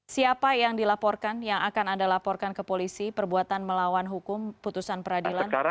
siapa yang dilaporkan yang akan anda laporkan ke polisi perbuatan melawan hukum putusan peradilan